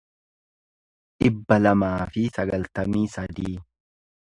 dhibba lamaa fi sagaltamii sadii